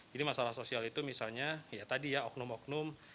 jadi masalah sosial itu misalnya ya tadi ya oknum oknum